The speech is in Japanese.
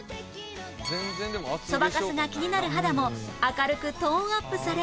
そばかすが気になる肌も明るくトーンアップされ